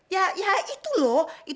ya ya itu loh